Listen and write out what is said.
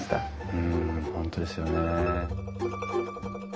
うん本当ですよね。